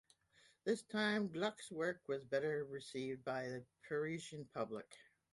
This time Gluck's work was better received by the Parisian public.